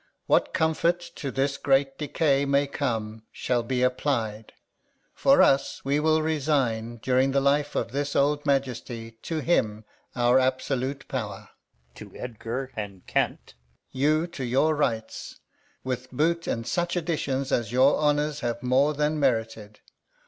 What comfort to this great decay may come Shall be applied. For us, we will resign, During the life of this old Majesty, To him our absolute power; [to Edgar and Kent] you to your rights; With boot, and Such addition as your honours Have more than merited.